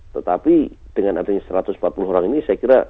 tetapi dengan adanya satu ratus empat puluh orang ini saya kira